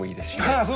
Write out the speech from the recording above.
ああ